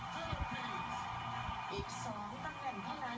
ข้อมูลเข้ามาดูครับ